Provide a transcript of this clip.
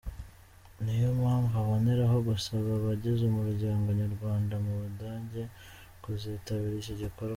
Niyo mpamvu aboneraho gusaba abagize umuryango nyarwanda mu Budage kuzitabira iki gikorwa.